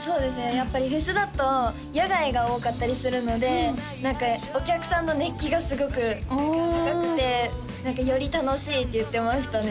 やっぱりフェスだと野外が多かったりするのでお客さんの熱気がすごく高くてより楽しいって言ってましたね